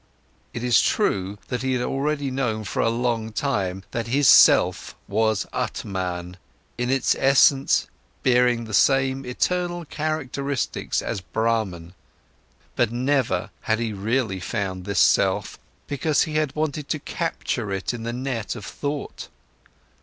It is true that he had already known for a long time that his self was Atman, in its essence bearing the same eternal characteristics as Brahman. But never, he had really found this self, because he had wanted to capture it in the net of thought.